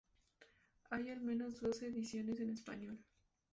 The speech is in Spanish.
Hay al menos dos ediciones en español.